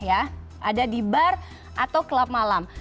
ada di bar atau klub malam